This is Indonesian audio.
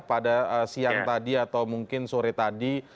pada siang tadi atau mungkin sore tadi